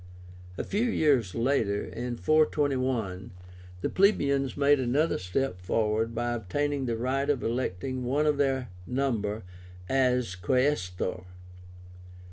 A few years later, in 421, the plebeians made another step forward by obtaining the right of electing one of their number as Quaestor.